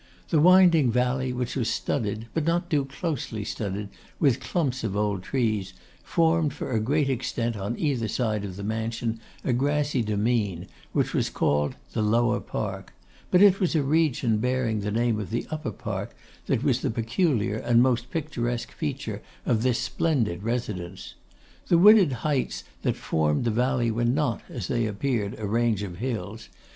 The winding valley, which was studded, but not too closely studded, with clumps of old trees, formed for a great extent on either side of the mansion a grassy demesne, which was called the Lower Park; but it was a region bearing the name of the Upper Park, that was the peculiar and most picturesque feature of this splendid residence. The wooded heights that formed the valley were not, as they appeared, a range of hills.